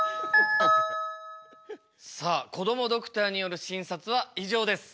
さあこどもドクターによる診察は以上です。